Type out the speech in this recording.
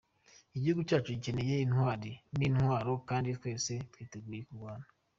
Igihugu cyacu gikeneye intwari n’intwaro kandi twese twitegure kurwana.